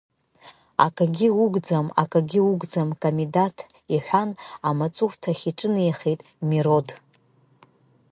Акагьы угӡам, акагьы угӡам, Камидаҭ, — иҳәан, амаҵурҭахь иҿынеихеит Мирод.